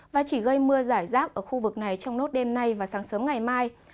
và chỉ gây mưa giải rác ở khu vực này trong nốt đêm nay và sáng sớm ngày mai